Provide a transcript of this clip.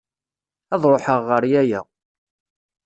Ad ṛuḥeɣ ɣer yaya.